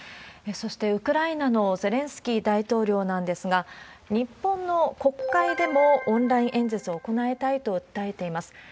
そして、ウクライナのゼレンスキー大統領なんですが、日本の国会でもオンライン演説を行いたいと訴えています。